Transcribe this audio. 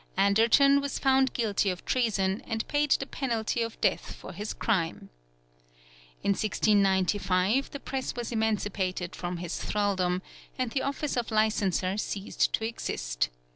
Anderton was found guilty of treason, and paid the penalty of death for his crime. In 1695 the Press was emancipated from its thraldom, and the office of licenser ceased to exist.